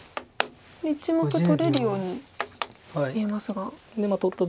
これ１目取れるように見えますが。